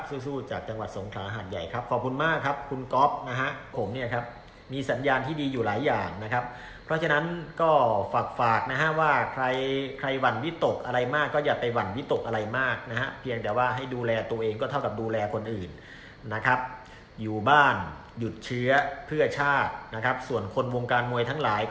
สู้จากจังหวัดสงขลาหาดใหญ่ครับขอบคุณมากครับคุณก๊อฟนะฮะผมเนี่ยครับมีสัญญาณที่ดีอยู่หลายอย่างนะครับเพราะฉะนั้นก็ฝากฝากนะฮะว่าใครใครหวั่นวิตกอะไรมากก็อย่าไปหวั่นวิตกอะไรมากนะฮะเพียงแต่ว่าให้ดูแลตัวเองก็เท่ากับดูแลคนอื่นนะครับอยู่บ้านหยุดเชื้อเพื่อชาตินะครับส่วนคนวงการมวยทั้งหลาย